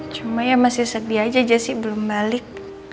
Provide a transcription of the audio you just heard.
cuma ya masih sedih aja sih belum balik